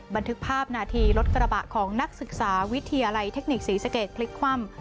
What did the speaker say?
บันทึกภาพนาทีรถกระบะของนักศึกษาวิทยาลัยเทคนิคศรีสเกตพลิกคว่ำ